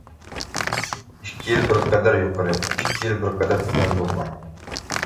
ئىككى يىل بىرقەدەر يۇقىرى، ئىككى يىل بىرقەدەر تۆۋەن بولغان.